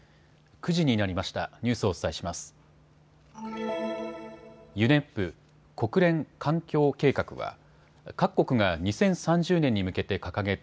９時になりました。